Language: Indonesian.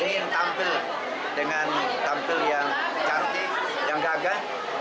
ingin tampil dengan tampil yang cantik yang gagah